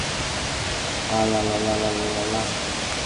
কিন্তু তোমার রচনায় কোনো কোনো আধুনিক কবির ছায়া দেখতে পাই যেন!